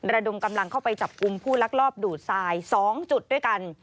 ระดมกำลังเข้าไปจับกลุ่มผู้ลักลอบดูดทราย๒จุดด้วยกัน